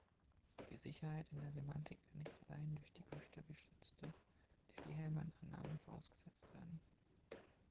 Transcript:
Die Sicherheit in der Semantik kann nicht allein durch die computergestützte Diffie-Hellmann-Annahme vorausgesetzt werden.